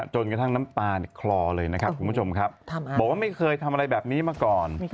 จนกระทั่งน้ำปลาคลอเลยนะครับบอกว่าไม่เคยทำอะไรแบบนี้มาก่อน